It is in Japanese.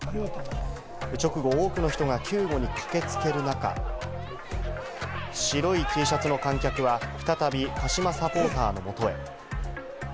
直後、多くの人が救護に駆けつける中、白いＴシャツの観客は再び、鹿島サポーターのもとへ。